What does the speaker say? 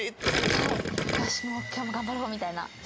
よし今日も頑張ろうみたいな。